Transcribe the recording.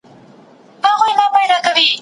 ټیکنالوژي په ټولنه کې د فقر کچه راټیټوي.